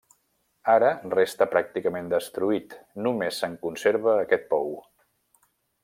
Ara resta pràcticament destruït, només se'n conserva aquest pou.